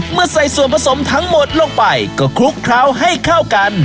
เมื่อใส่ส่วนผสมทั้งหมดลงไปก็คลุกเคล้าให้เข้ากัน